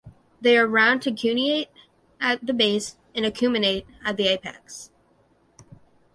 They are round to cuneate at the base and acuminate at the apex.